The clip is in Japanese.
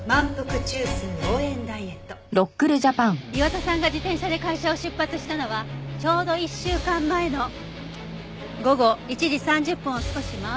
磐田さんが自転車で会社を出発したのはちょうど１週間前の午後１時３０分を少し回った頃。